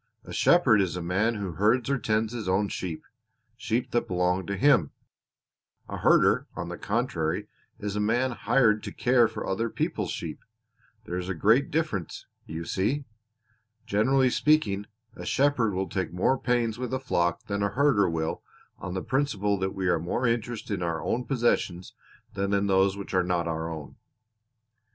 A shepherd is a man who herds or tends his own sheep sheep that belong to him; a herder, on the contrary, is a man hired to care for other people's sheep. There is a great difference, you see. Generally speaking, a shepherd will take more pains with a flock than a herder will on the principle that we are more interested in our own possessions than in those which are not our own."